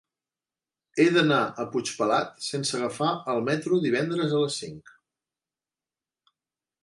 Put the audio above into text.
He d'anar a Puigpelat sense agafar el metro divendres a les cinc.